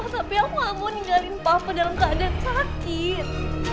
tapi aku mah mau ninggalin papa dalam keadaan sakit